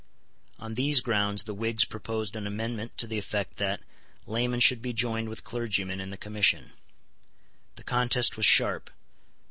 On these grounds the Whigs proposed an amendment to the effect that laymen should be joined with clergymen in the Commission. The contest was sharp.